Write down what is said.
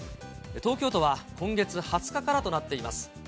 東京都は今月２０日からとなっています。